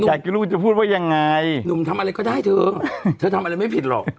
อยากจะรู้จะพูดว่ายังไงหนุ่มทำอะไรก็ได้เธอเธอทำอะไรไม่ผิดหรอก